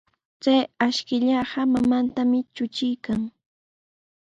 Chay ashkallaqa mamantami trutruykan.